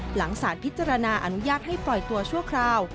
หลังสารพิจารณาอนุญาตให้ปล่อยตัวชั่วคราว